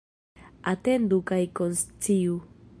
Atendu kaj konsciu.